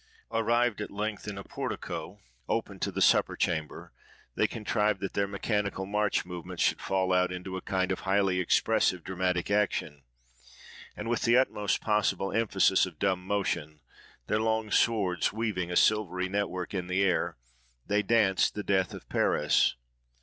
Arrived at length in a portico, open to the supper chamber, they contrived that their mechanical march movement should fall out into a kind of highly expressive dramatic action; and with the utmost possible emphasis of dumb motion, their long swords weaving a silvery network in the air, they danced the Death of Paris.